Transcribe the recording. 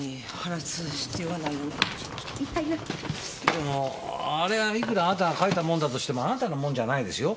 でもあれがいくらあなたが書いたもんだとしてもあなたのもんじゃないですよ。